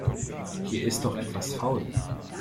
Hier ist doch etwas faul.